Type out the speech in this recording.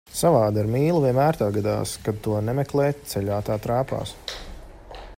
Savādi, ar mīlu vienmēr tā gadās, kad to nemeklē, ceļā tā trāpās.